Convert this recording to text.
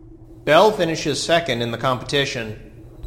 Bell finishes second in the competition.